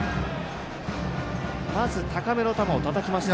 まず、高めの球をたたきました。